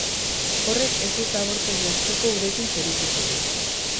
Horrek ez du zabortegi azpiko urekin zerikusirik.